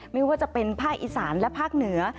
ไม่ว่าจะเป็นภาคอีสานและภาคเหนือ